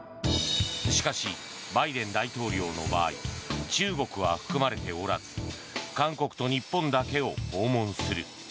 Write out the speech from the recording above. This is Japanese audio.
しかし、バイデン大統領の場合中国は含まれておらず韓国と日本だけを訪問する。